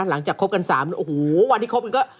หลังจากคบกัน๓วันนี้โอ้โหวันนี้คบกันก็